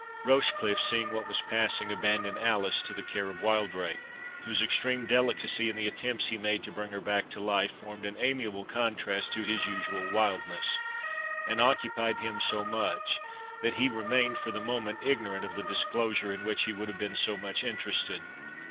Rochecliffe, seeing what was passing, abandoned Alice to the care of Wildrake, whose extreme delicacy in the attempts he made to bring her back to life, formed an amiable contrast to his usual wildness, and occupied him so much, that he remained for the moment ignorant of the disclosure in which he would have been so much interested.